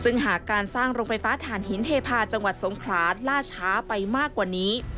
ซึ่งหากการสร้างโรงไฟฟ้าฐานหินเทพาะจังหวัดสงขลาล่าช้าไปมากกว่านี้